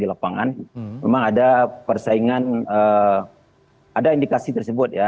di lapangan memang ada persaingan ada indikasi tersebut ya